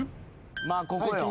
まあここよ。